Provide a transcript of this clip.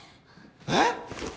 えっ？